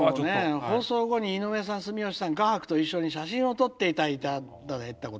「放送後に井上さん住吉さん画伯と一緒に写真を撮って頂いたこと」。